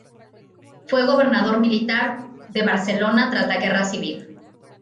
Fue gobernador militar de Barcelona tras la Guerra Civil.